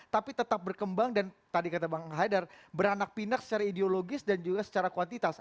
tapi tetap berkembang dan tadi kata bang haidar beranak pinak secara ideologis dan juga secara kuantitas